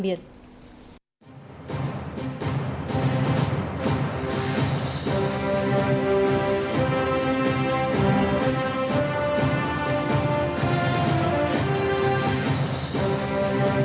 điều hòa giải